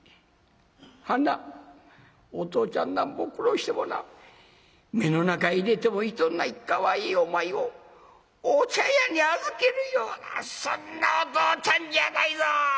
ハナお父ちゃんなんぼ苦労してもな目の中入れても痛うないかわいいお前をお茶屋に預けるようなそんなお父ちゃんじゃないぞ！